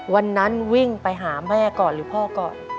วันนั้นวิ่งไปหาแม่ก่อนหรือพ่อก่อน